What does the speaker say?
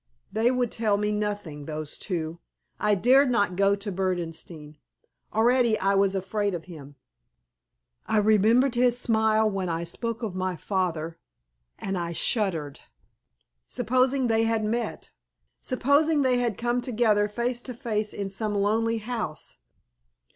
They would tell me nothing, those two. I dared not go to Berdenstein. Already I was afraid of him. I remembered his smile when I spoke of my father, and I shuddered. Supposing they had met. Supposing they had come together face to face in some lonely house.